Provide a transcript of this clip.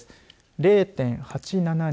０．８７人。